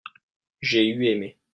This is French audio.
j'ai eu aimé.